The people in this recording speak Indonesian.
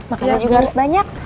makanan juga harus banyak